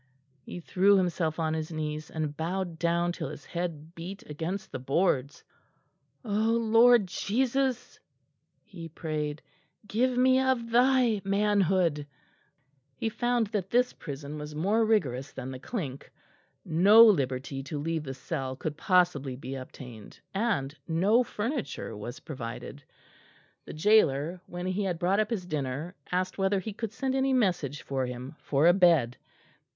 He threw himself on his knees, and bowed down till his head beat against the boards. "O Lord Jesus," he prayed, "give me of Thy Manhood." He found that this prison was more rigorous than the Clink; no liberty to leave the cell could possibly be obtained, and no furniture was provided. The gaoler, when he had brought up his dinner, asked whether he could send any message for him for a bed.